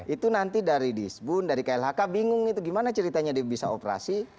itu nanti dari di sbun dari klhk bingung itu gimana ceritanya bisa operasi